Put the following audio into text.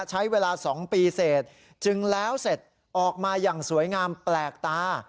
ใช้เวลา๒ปีเสร็จจึงแล้วเสร็จออกมาอย่างสวยงามแปลกตา